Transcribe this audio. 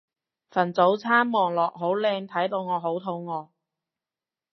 份早餐望落好靚睇到我好肚餓